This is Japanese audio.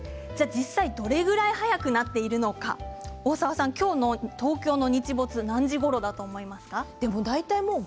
実際どれくらい早くなっているのか大沢さん、今日の東京の日没何時からだと思いますか？